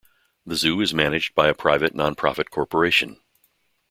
The Zoo is managed by a private non-profit corporation.